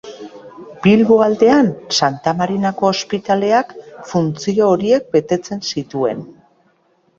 Bilbo aldean, Santa Marinako Ospitaleak funtzio horiek betetzen zituen.